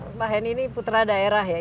kalau ini kan pak hendy ini putra daerah ya